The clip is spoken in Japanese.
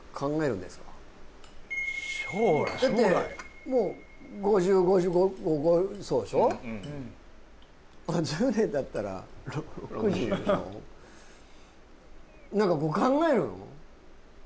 だってもう５０５５そうでしょうん１０年たったら６０６０でしょ何かこう考えるの？